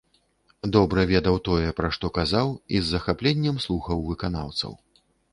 Добра ведаў тое, пра што казаў і з захапленнем слухаў выканаўцаў.